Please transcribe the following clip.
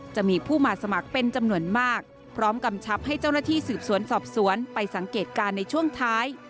จะมีผู้มาสมัครเป็นจำนวนมากพร้อมกำชับให้เจ้าหน้าที่สืบสวนสอบสวนไปสังเกตการณ์ในช่วงท้าย